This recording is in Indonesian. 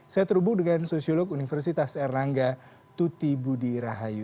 saya terhubung dengan sosiolog universitas erlangga tuti budi rahayu